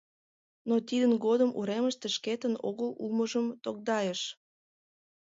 Но тидын годым уремыште шкетын огыл улмыжым тогдайыш.